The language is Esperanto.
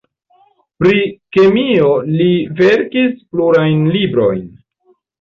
Pri kemio li verkis plurajn librojn.